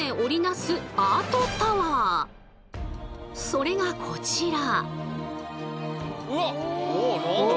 それがこちら。